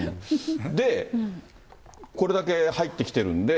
で、これだけ入ってきてるんで。